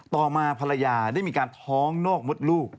ต่อมาภรรยาได้มีการท้องนอกมดลูก